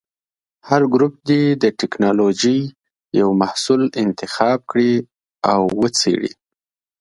هر ګروپ دې د ټېکنالوجۍ یو محصول انتخاب کړي او وڅېړي.